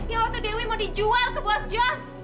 ya waktu dewi mau dijual ke bos jazz